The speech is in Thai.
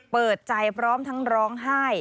เปิดใจพร้อมทั้งร้องไห้